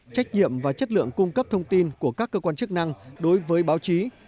trách nhiệm và chất lượng cung cấp thông tin của các cơ quan chức năng đối với báo chí